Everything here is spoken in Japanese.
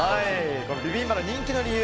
ビビンバの人気の理由。